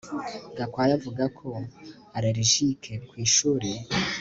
Gakwaya avuga ko allergique ku ishuri